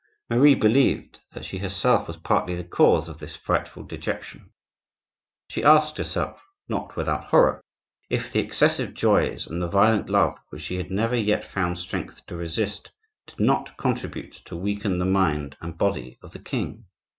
Marie believed that she herself was partly the cause of this frightful dejection. She asked herself, not without horror, if the excessive joys and the violent love which she had never yet found strength to resist, did not contribute to weaken the mind and body of the king.